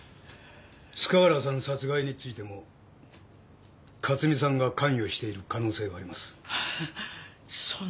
塚原さん殺害についても克巳さんが関与している可能性があります。